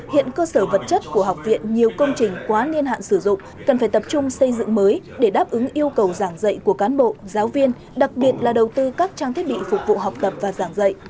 hiện cơ sở vật chất của học viện nhiều công trình quá niên hạn sử dụng cần phải tập trung xây dựng mới để đáp ứng yêu cầu giảng dạy của cán bộ giáo viên đặc biệt là đầu tư các trang thiết bị phục vụ học tập và giảng dạy